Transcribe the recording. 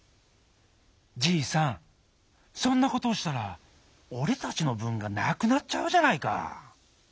じいさんそんなことをしたらおれたちのぶんがなくなっちゃうじゃないか」。